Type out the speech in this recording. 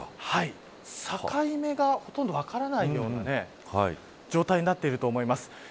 境目がほとんど分からないような状態になってると思います。